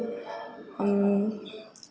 và cùng một khoa với chị luôn